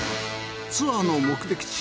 ツアーの目的地